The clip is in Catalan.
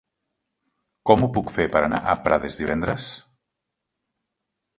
Com ho puc fer per anar a Prades divendres?